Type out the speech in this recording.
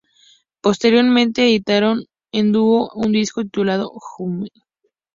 Posteriormente editaron en dúo un disco titulado "Home".